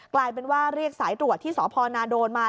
กลายเป็นว่าเรียกสายตรวจที่สพนาโดนมา